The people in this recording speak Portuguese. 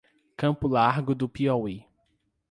Campo Largo do Piauí